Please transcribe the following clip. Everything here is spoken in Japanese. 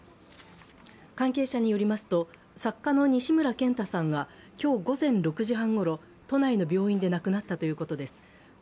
関係者によりますと、作家の西村賢太さんは今日午前６時半ごろ都内の病院で亡くなったということです。